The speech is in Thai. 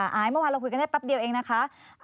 เมื่อวานเราคุยกันได้แป๊บเดียวเองนะคะ